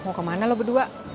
mau kemana lo berdua